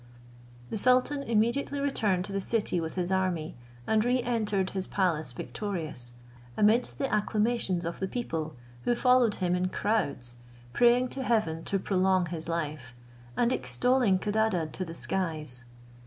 The sultan immediately returned to the city with his army, and re entered his palace victorious, amidst the acclamations of the people, who followed him in crowds, praying to heaven to prolong his life, and extolling Codadad to the skies.